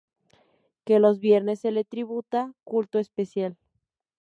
Que los viernes se le tributa culto especial.